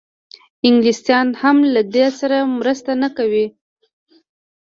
انګلیسیان هم له ده سره مرسته نه کوي.